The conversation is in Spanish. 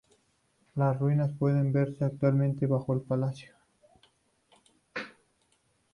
Las ruinas pueden verse actualmente bajo el palacio.